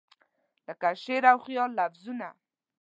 لکه شعر او خیال لفظونه